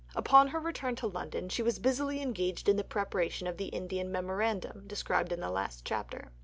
Upon her return to London she was busily engaged in the preparation of the Indian "Memorandum" described in the last chapter.